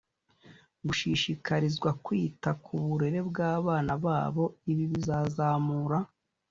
gushishikarizwa kwita k uburere bw abana babo ibi bizazamura